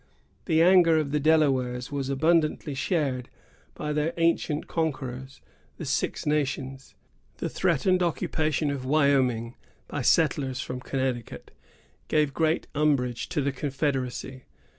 The anger of the Delawares was abundantly shared by their ancient conquerors, the Six Nations. The threatened occupation of Wyoming by settlers from Connecticut gave great umbrage to the confederacy.